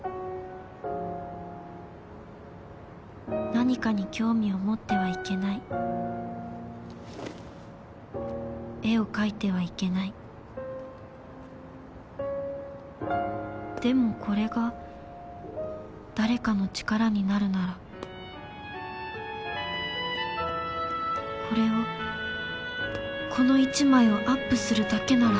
何かに興味を持ってはいけない絵を描いてはいけないでもこれが誰かの力になるならこれをこの１枚をアップするだけなら